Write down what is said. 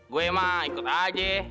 gua emang ikut aja